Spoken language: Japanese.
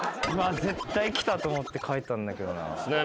絶対きたと思って書いたんだけどな。